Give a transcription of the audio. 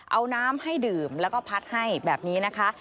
เอาน้ำให้ดื่มแล้วก็พัดให้แบบนี้นะคะ